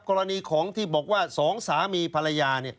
กรณีของที่บอกว่าสองสามีภรรยา